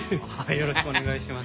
よろしくお願いします。